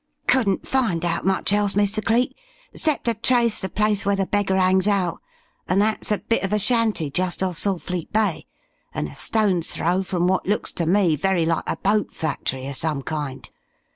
"Couldn't find out much else, Mr. Cleek, 'cept to trace the place where the beggar 'angs out, and that's a bit of a shanty just off Saltfleet Bay, an' a stone's throw from what looks ter me very like a boat factory of some kind.